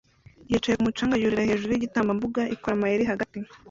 Yicaye kumu canga yurira hejuru yigitambambuga ikora amayeri hagati